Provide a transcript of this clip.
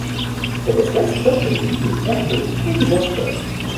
Cette espèce peuple les milieux herbeux et les bois clairs.